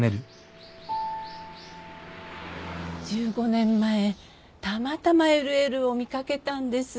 １５年前たまたまＬＬを見掛けたんです。